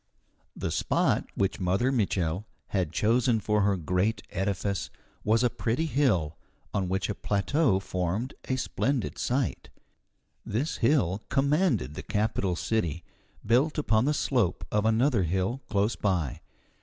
The spot which Mother Mitchel had chosen for her great edifice was a pretty hill on which a plateau formed a splendid site. This hill commanded the capital city, built upon the slope of another hill close by.